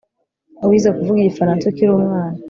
Wize kuvuga igifaransa ukiri umwana